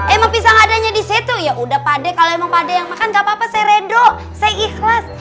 emang pisang adanya disitu ya udah pak de kalau emang pak de yang makan gak apa apa saya redo saya ikhlas